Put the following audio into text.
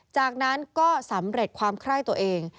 จากนั้นก็สำเร็จความไคร้ตัวเอง